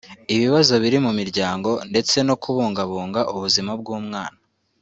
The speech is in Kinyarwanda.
ibibazo biri mu miryango ndetse no kubungabunga ubuzima bw’umwana